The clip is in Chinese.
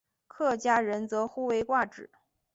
客家人则呼为挂纸。